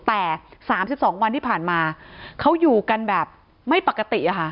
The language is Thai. แต่๓๒วันที่ผ่านมาเขาอยู่กันแบบไม่ปกติอะค่ะ